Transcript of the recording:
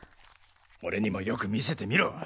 俺にもよく見せてみろ。